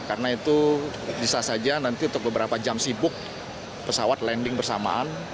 karena itu bisa saja nanti untuk beberapa jam sibuk pesawat landing bersamaan